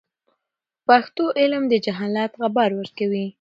په پښتو علم د جهالت غبار ورکوي.